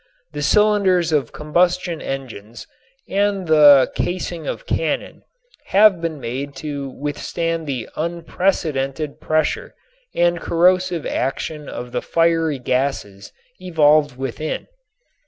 The cylinders of combustion engines and the casing of cannon have been made to withstand the unprecedented pressure and corrosive action of the fiery gases evolved within.